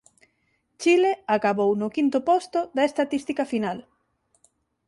Chile acabou no quinto posto da estatística final.